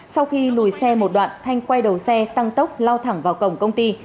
sau khi lùi xe một đoạn thanh quay đầu xe tăng tốc lao thẳng vào cổng công ty